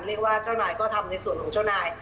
เจ้านายก็ทำในส่วนของเจ้านาย